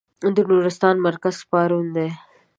د نورستان مرکز پارون دی.